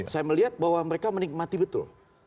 saya melihat bahwa mereka menikmati betul